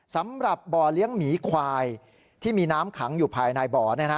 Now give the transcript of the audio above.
สำหรับบ่อเลี้ยงหมีควายที่มีน้ำขังอยู่ภายในบ่อ